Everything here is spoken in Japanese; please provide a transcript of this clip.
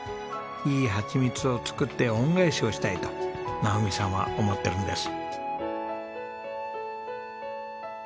いいハチミツを作って恩返しをしたいと直美さんは思ってるんです。